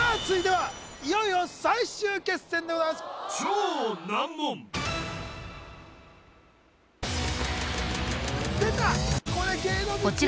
続いてはいよいよ最終決戦でございます